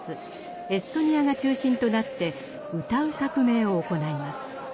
エストニアが中心となって「歌う革命」を行います。